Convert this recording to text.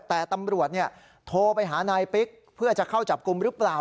แต่ตำรวจโทรไปหานายปิ๊กเพื่อจะเข้าจับกลุ่มหรือเปล่า